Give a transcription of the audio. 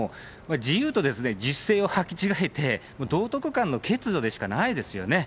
自由と自制をはき違えて、道徳観の欠如でしかないですよね。